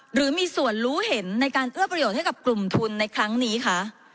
หรือมีส่วนรู้เห็นในการเอื้อประโยชน์ให้กับกลุ่มทุนในครั้งนี้คะ